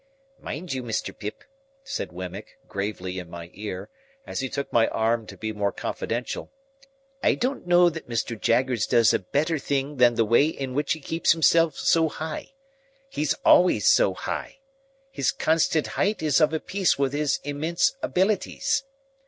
"Mind you, Mr. Pip," said Wemmick, gravely in my ear, as he took my arm to be more confidential; "I don't know that Mr. Jaggers does a better thing than the way in which he keeps himself so high. He's always so high. His constant height is of a piece with his immense abilities.